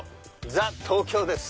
ザ東京です。